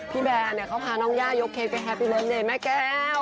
พี่แบร์เขาพาน้องย่ายกเค้กกับแฮปปีเริ่มเนี่ยแม่แก้ว